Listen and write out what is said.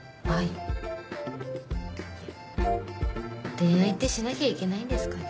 恋愛ってしなきゃいけないんですかね？